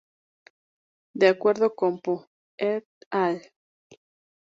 De acuerdo con Pu "et al".